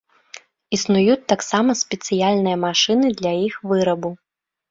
Існуюць таксама спецыяльныя машыны для іх вырабу.